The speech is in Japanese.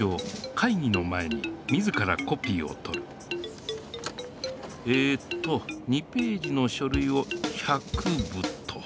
かいぎの前に自らコピーをとるえっと２ページのしょるいを１００部と。